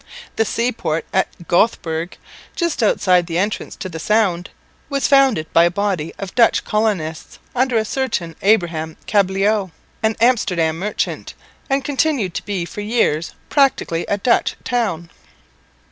The seaport of Gotheborg, just outside the entrance to the Sound, was founded by a body of Dutch colonists under a certain Abraham Cabelliau, an Amsterdam merchant, and continued to be for years practically a Dutch town.